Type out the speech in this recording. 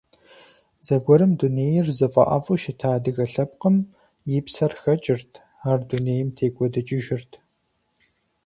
Зэгуэрым дунейр зыфӀэӀэфӀу щыта адыгэ лъэпкъым, и псэр хэкӀырт, ар дунейм текӀуэдыкӀыжырт.